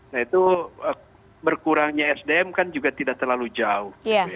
nah itu berkurangnya sdm kan juga tidak terlalu jauh